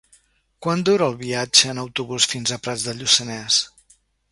Quant dura el viatge en autobús fins a Prats de Lluçanès?